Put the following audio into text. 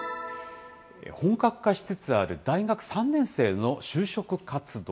本格化しつつある、大学３年生の就職活動。